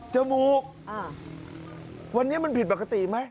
จมูกวันนี้มันผิดปกติไหม